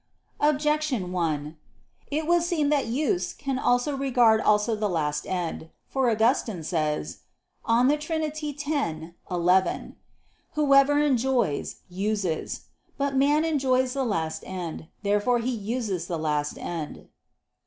Objection 1: It would seem that use can regard also the last end. For Augustine says (De Trin. x, 11): "Whoever enjoys, uses." But man enjoys the last end. Therefore he uses the last end.